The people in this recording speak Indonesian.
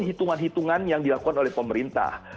hitungan hitungan yang dilakukan oleh pemerintah